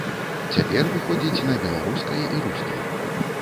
Цяпер выходзіць на беларускай і рускай.